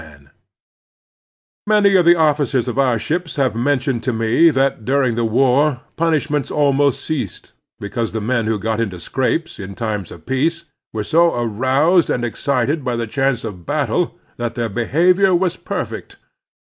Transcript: Many of the officers of our ships have mentioned to me that during the war ptmishments almost ceased, becatise the men who got into scrapes in times of peace were so aroused and excited by the chance of battle that their behavior was perfect.